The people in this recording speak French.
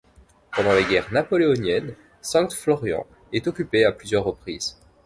Pendant les guerres napoléoniennes, Sankt Florian est occupée à plusieurs reprises.